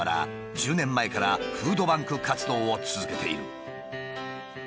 １０年前からフードバンク活動を続けている。